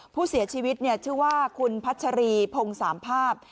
ผู้เสียชีวิตชื่อว่าคุณพัชรีพงสามภาพ